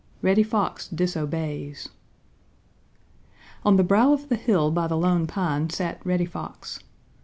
IV REDDY FOX DISOBEYS On the brow of the hill by the Lone Pine sat Reddy Fox.